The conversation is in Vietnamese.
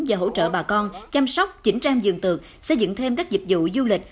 và hỗ trợ bà con chăm sóc chỉnh trang giường xây dựng thêm các dịch vụ du lịch